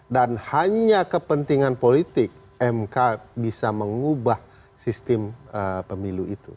dan hanya kepentingan politik mk bisa mengubah sistem pemilu itu